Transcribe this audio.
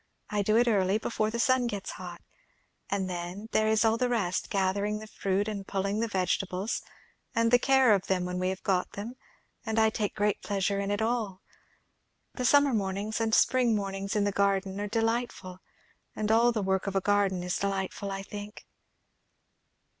I do it early, before the sun gets hot. And then, there is all the rest; gathering the fruit, and pulling the vegetables, and the care of them when we have got them; and I take great pleasure in it all. The summer mornings and spring mornings in the garden are delightful, and all the work of a garden is delightful, I think."